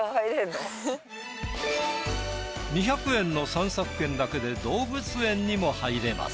２００円の散策券だけで動物園にも入れます。